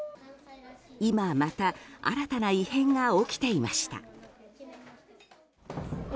今また新たな異変が起きていました。